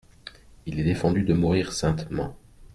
Il est défendu de mourir saintement.